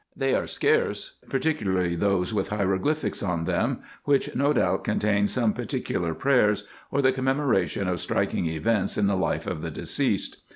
They are scarce, particu larly those with hieroglyphics on them, which no doubt contain some particular prayers, or the commemoration of striking events in the life of the deceased.